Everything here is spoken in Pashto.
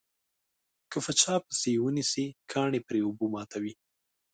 که په چا پسې یې ونسي کاڼي پرې اوبه ماتوي.